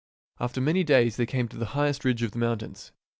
After many days they came to the highest ridge of the mountains.